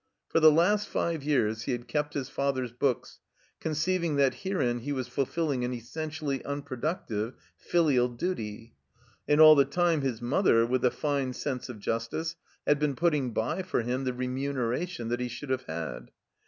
For the last five years he had kept his father's books, conceiving that herein he was fulfilling an essentially unproductive filial duty. And all the time his mother, with a fine sense of justice, had been putting by for him the remtmeration that he should have had.